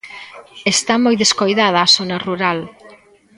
Está moi descoidada a zona rural.